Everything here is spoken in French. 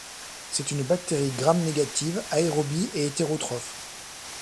C'est une bactérie gram-négative, aérobie et hétérotrophe.